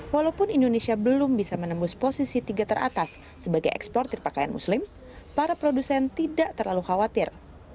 walaupun indonesia belum bisa menembus posisi tiga teratas sebagai eksportir pakaian muslim para produsen tidak terlalu khawatir